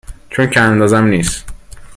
چونکه اندازه ام نیست